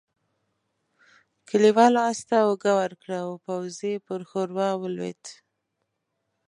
کليوالو آس ته اوږه ورکړه او پوځي پر ښوروا ولوېد.